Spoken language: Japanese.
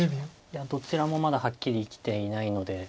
どちらもまだはっきり生きてはいないので。